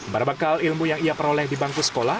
barang bakal ilmu yang ia peroleh di bangku sekolah